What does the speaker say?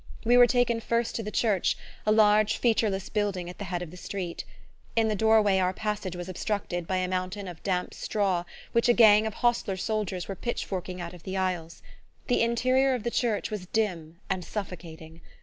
We were taken first to the church, a large featureless building at the head of the street. In the doorway our passage was obstructed by a mountain of damp straw which a gang of hostler soldiers were pitch forking out of the aisles. The interior of the church was dim and suffocating.